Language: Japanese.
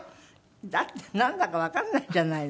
だってなんだかわかんないじゃないの。